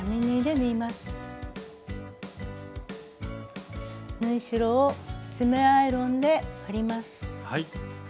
縫い代を爪アイロンで割ります。